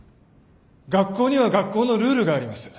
学校には学校のルールがあります。